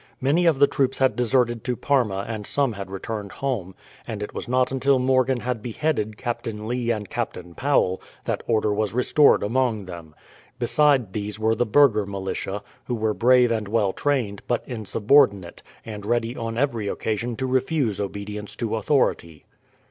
Many of the troops had deserted to Parma and some had returned home, and it was not until Morgan had beheaded Captain Lee and Captain Powell that order was restored among them. Beside these were the burgher militia, who were brave and well trained, but insubordinate, and ready on every occasion to refuse obedience to authority.